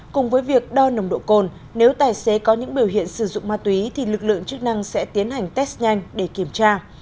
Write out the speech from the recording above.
cùng với việc đo nồng độ cồn nếu tài xế có những biểu hiện sử dụng ma túy thì lực lượng chức năng sẽ tiến hành test nhanh để kiểm tra